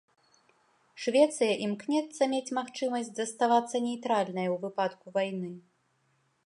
Швецыя імкнецца мець магчымасць заставацца нейтральнай ў выпадку вайны.